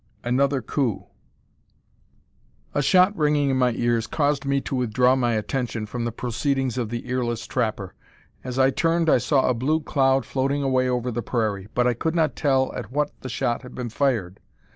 ANOTHER "COUP." A shot ringing in my ears caused me to withdraw my attention from the proceedings of the earless trapper. As I turned I saw a blue cloud floating away over the prairie, but I could not tell at what the shot had been fired.